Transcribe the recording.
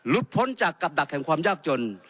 ลุดพ้นจากกับดักแถมความยากจน